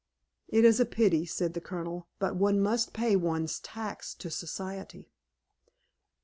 "It is a pity," said the Colonel, "but one must pay one's tax to society."